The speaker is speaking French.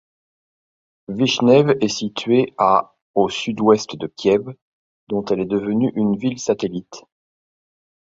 Vychneve est située à au sud-ouest de Kiev, dont elle est devenue une ville-satellite.